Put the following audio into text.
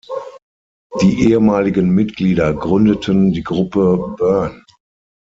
Die ehemaligen Mitglieder gründeten die Gruppe Burn.